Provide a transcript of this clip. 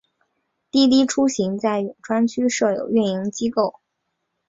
滴滴出行在永川区设有运营机构。